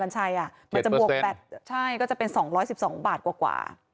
มันจะบวกแบตใช่ก็จะเป็น๒๑๒บาทกว่า